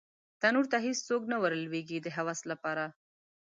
تنور ته هېڅوک نه ور لویږې د هوس لپاره